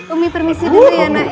umi permisi dulu ya nak